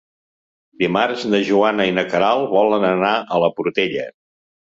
Dimarts na Joana i na Queralt volen anar a la Portella.